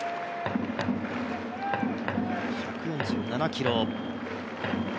１４７キロ。